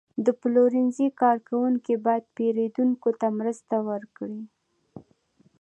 د پلورنځي کارکوونکي باید پیرودونکو ته مرسته وکړي.